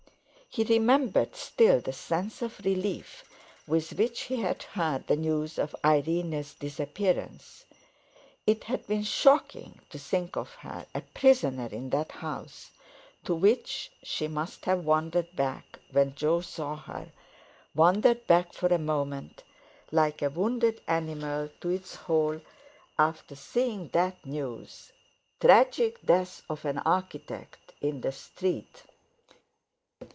He remembered still the sense of relief with which he had heard the news of Irene's disappearance. It had been shocking to think of her a prisoner in that house to which she must have wandered back, when Jo saw her, wandered back for a moment—like a wounded animal to its hole after seeing that news, "Tragic death of an Architect," in the street.